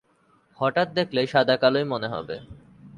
হঠাৎ দেখলে সাদা-কালোই মনে হবে।